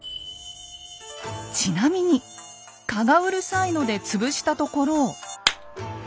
ちなみに蚊がうるさいので潰したところ。